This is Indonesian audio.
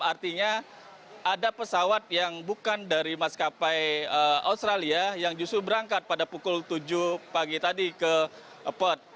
artinya ada pesawat yang bukan dari maskapai australia yang justru berangkat pada pukul tujuh pagi tadi ke port